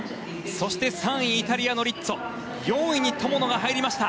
そして、３位イタリアのリッツォ４位に友野が入りました。